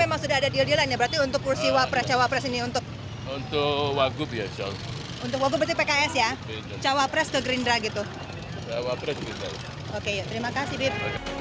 oke yuk terima kasih